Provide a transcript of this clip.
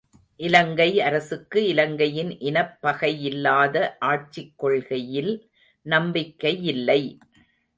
இலங்கை அரசுக்கு, இலங்கையின் இனப்பகையில்லாத ஆட்சிக் கொள்கையில் நம்பிக்கையில்லை.